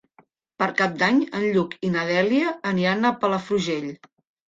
Per Cap d'Any en Lluc i na Dèlia aniran a Palafrugell.